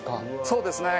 そうですね。